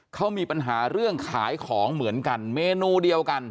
เขามีปัญหาเรื่องขายของเหมือนกันเมนูเดียวกัน